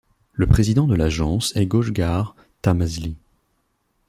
Le président de l'agence est Gochgar Tahmazli.